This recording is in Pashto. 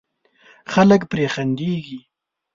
خلک پرې خندېږي.